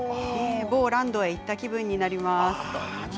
某ランドに行った気分になります。